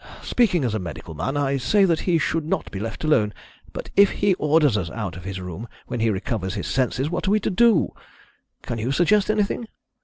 Speaking as a medical man, I say that he should not be left alone, but if he orders us out of his room when he recovers his senses what are we to do? Can you suggest anything?"